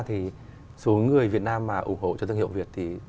thì số người việt nam mà ủng hộ cho thương hiệu việt